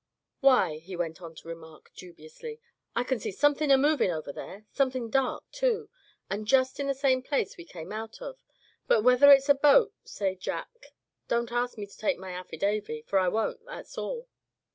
"Why," he went on to remark, dubiously, "I c'n see somethin' a movin' over there, somethin' dark, too, and just in the same place we came out of; but whether it's a boat, say, Jack, don't ask me to take my affidavy, for I won't, that's all."